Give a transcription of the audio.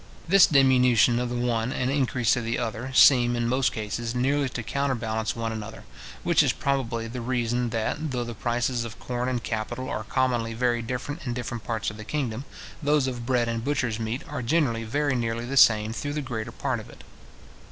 This diminution of the one and increase of the other, seem, in most cases, nearly to counterbalance one another; which is probably the reason that, though the prices of corn and cattle are commonly very different in different parts of the kingdom, those of bread and butchers' meat are generally very nearly the same through the greater part of it.